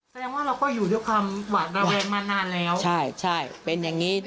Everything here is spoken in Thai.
แสดงว่าเราก็อยู่ด้วยความหวาดแบบแรงมานานแล้วใช่เป็นอย่างนี้